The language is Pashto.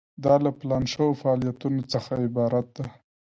دا له پلان شوو فعالیتونو څخه عبارت ده.